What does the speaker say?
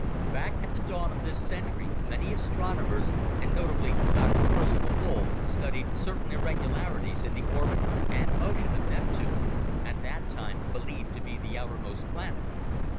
Back at the dawn of this century, many astronomers, and notably Dr. Percival Lowell, studied certain irregularities in the orbit and motion of Neptune, at that time believed to be the outermost planet.